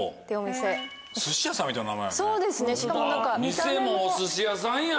店もお寿司屋さんやん。